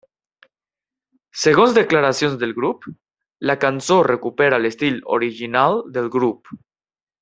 Segons declaracions del grup, la cançó recupera l'estil original del grup.